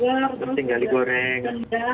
juga terus tinggal digoreng